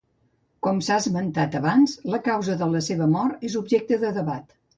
Com s'ha esmentat abans, la causa de la seva mor és objecte de debat.